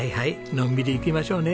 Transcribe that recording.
のんびりいきましょうね。